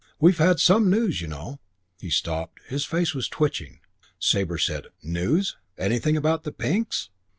We've had some news, you know." He stopped. His face was twitching. Sabre said, "News? Anything about the Pinks?"